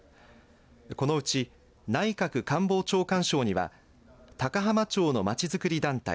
このうち内閣官房長官賞には高浜町のまちづくり団体